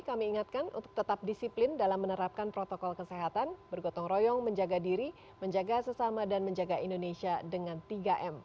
jangan lupa tetap menikmati unsur indonesia dengan tiga m